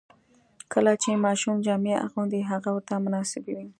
کله چې ماشوم جامې اغوندي، هغه ورته مناسبې وي.